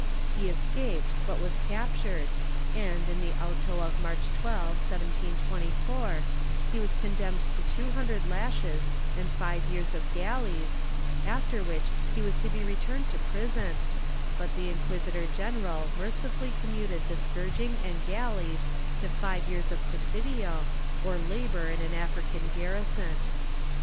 He escaped but was captured and, in the auto of March 12, 1724, he was condemned to two hundred lashes and five years of galleys, after which he was to be returned to prison, but the inquisitor general mercifully commuted the scourging and galleys to five years of presidio, or labor in an Afri can garrison.